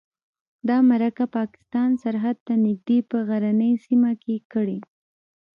دا مرکه پاکستان سرحد ته نږدې په غرنۍ سیمه کې کړې.